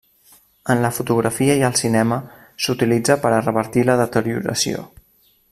En la fotografia i el cinema, s'utilitza per a revertir la deterioració.